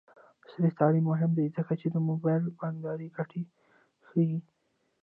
عصري تعلیم مهم دی ځکه چې د موبايل بانکدارۍ ګټې ښيي.